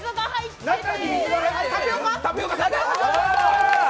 タピオカ！！